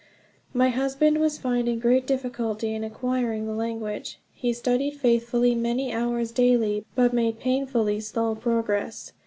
My husband was finding great difficulty in acquiring the language; he studied faithfully many hours daily, but made painfully slow progress.